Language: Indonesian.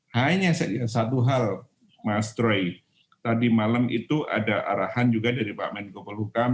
hanya saja satu hal mas troy tadi malam itu ada arahan juga dari pak menko polhukam